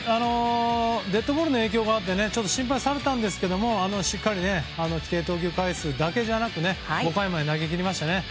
デッドボールの影響もあってちょっと心配されたんですがしっかり規定投球回だけじゃなく５回まで投げ切りましたね。